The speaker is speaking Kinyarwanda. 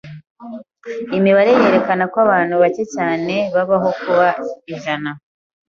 Imibare yerekana ko abantu bake cyane babaho kuba ijana.